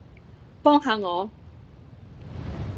幫下我